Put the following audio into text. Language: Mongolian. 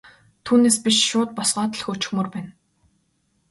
Түүнээс биш шууд босгоод л хөөчихмөөр байна.